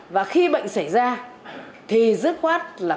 và khi bệnh xảy ra thì dứt khoát là phòng bệnh